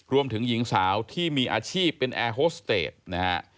รวมถึงหญิงสาวที่มีอาชีพเป็นแอร์โฮสเตจนะฮะ